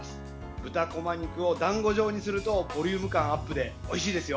豚こま肉をだんご状にするとボリューム感アップでおいしいですよ。